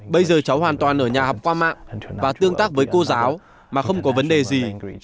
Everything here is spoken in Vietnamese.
bây giờ cháu hoàn toàn ở nhà học qua mạng và tương tác với cô giáo mà không có vấn đề gì